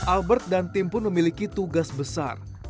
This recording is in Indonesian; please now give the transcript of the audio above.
albert dan tim pun memiliki tugas besar